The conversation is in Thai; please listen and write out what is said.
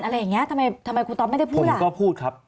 อะไรอย่างนี้ทำไมครูตอบไม่ได้พูด